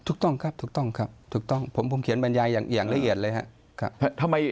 ถูกต้องครับผมเขียนบรรยายอย่างละเอียดเลยครับ